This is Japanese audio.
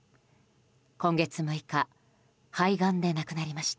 今月６日肺がんで亡くなりました。